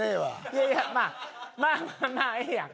いやいやまあまあまあまあええやん。